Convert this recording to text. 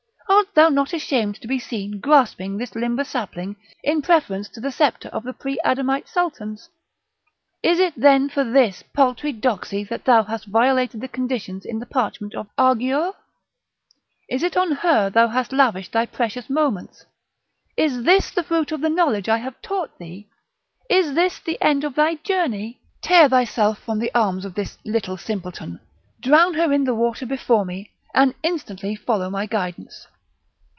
art thou not ashamed to be seen grasping this limber sapling, in preference to the sceptre of the pre adamite Sultans? is it then for this paltry doxy that thou hast violated the conditions in the parchment of our Giaour? is it on her thou hast lavished thy precious moments? is this the fruit of the knowledge I have taught thee? is this the end of thy journey? tear thyself from the arms of this little simpleton, drown her in the water before me, and instantly follow my guidance."